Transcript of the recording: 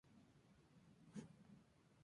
Al mismo tiempo trabajaba de modelo de fotografía.